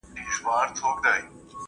زه اوږده وخت کتابتون ته راځم وم،